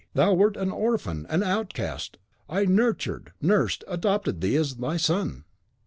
Thou wert an orphan, an outcast. I nurtured, nursed, adopted thee as my son.